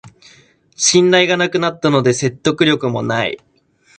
信頼がなくなったので説得力もない